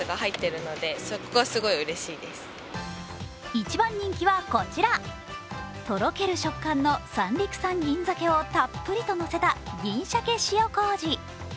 一番人気はこちらとろける食感の三陸産銀しゃけをたっぷりのせたたっぷりとのせた銀じゃけ塩こうじ。